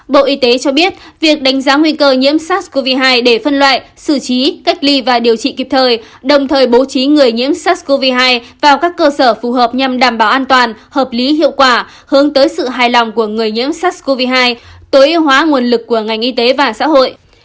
bộ y tế cho biết việc đánh giá nguy cơ nhiễm sars cov hai để phân loại xử trí cách ly và điều trị kịp thời đồng thời bố trí người nhiễm sars cov hai vào các cơ sở phù hợp nhằm đảm bảo an toàn hợp lý hiệu quả hướng tới sự hài lòng của người nhiễm sars cov hai tối ưu hóa nguồn lực của ngành y tế và xã hội